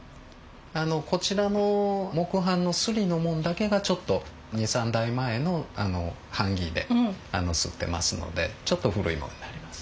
こちらの木版の刷りのもんだけがちょっと２３代前の版木で刷ってますのでちょっと古いものになります。